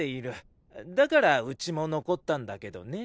だからうちも残ったんだけどね。